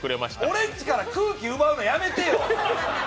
俺んちから空気奪うのやめてよ！